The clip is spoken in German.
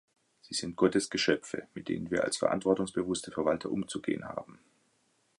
Sie sind Gottes Geschöpfe, mit denen wir als verantwortungsbewusste Verwalter umzugehen haben.